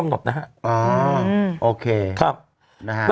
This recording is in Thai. กำหนดนะครับครับอ่าวโอเค